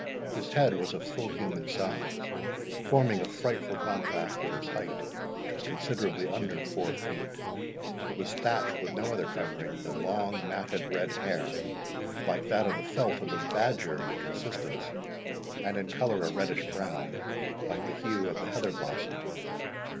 His head was of full human size, forming a frightful contrast with his height, which was considerably under four feet. It was thatched with no other covering than long matted red hair, like that of the felt of a badger in consistence, and in colour a reddish brown, like the hue of the heather blossom.